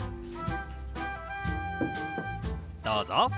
どうぞ。